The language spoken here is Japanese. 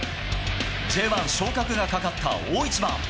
Ｊ１昇格がかかった大一番。